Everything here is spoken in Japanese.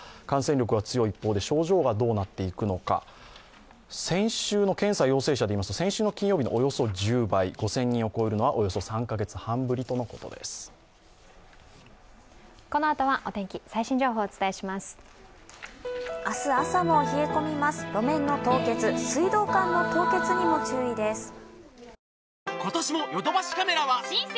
感染力が強い一方で、症状がどうなっていくのか、先週の検査陽性者でいいますと、先週の金曜日のおよそ１０倍、５０００人を超えるのはおよそ３カ月半ぶりとなったそうです。